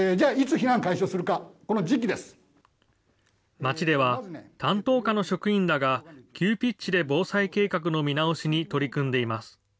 町では、担当課の職員らが、急ピッチで防災計画の見直しに取り組んでいます。